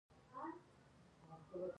د ساحل رڼا هم د دوی په زړونو کې ځلېده.